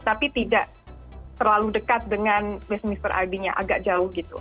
tapi tidak terlalu dekat dengan westminster abbey nya agak jauh gitu